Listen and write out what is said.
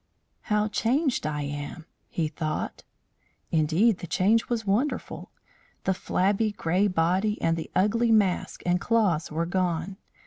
"How changed I am!" he thought. Indeed, the change was wonderful. The flabby grey body and the ugly mask and claws were gone.